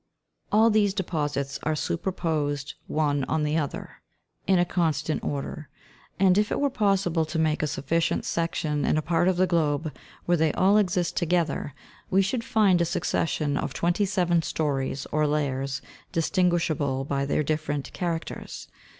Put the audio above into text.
All these deposits are superposed one on the other, in a con stant order; and if it were possible to make a sufficient section in a part of the globe where they all exist together, we should find a succession of twenty seven stories, or layers, distinguishable by their different characters.